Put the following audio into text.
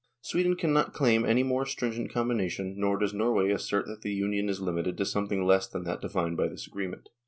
Sweden cannot claim any more stringent com bination, nor does Norway assert that the Union is limited to something less than that defined by this agreement.